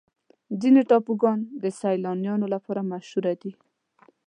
ځینې ټاپوګان د سیلانیانو لپاره مشهوره دي.